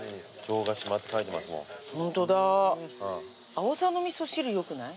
あおさの味噌汁よくない？